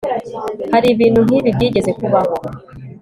hari ibintu nk'ibi byigeze kubaho